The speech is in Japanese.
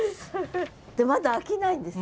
でまだ飽きないんですね？